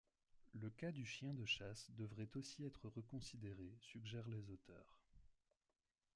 Le cas du chien de chasse devrait aussi être reconsidéré suggèrent les auteurs.